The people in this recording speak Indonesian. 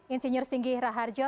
insinyur singgih raharjo